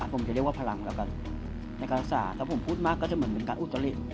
ผมจะเรียกว่าพลังแล้วกันในการรักษาถ้าผมพูดมากก็จะเหมือนเป็นการอุตลิ